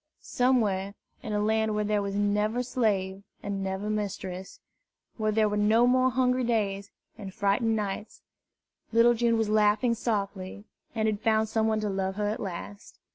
Somewhere, in a land where there was never slave and never mistress, where there were no more hungry days and frightened nights, little June was laughing softly, and had found some one to love her at last.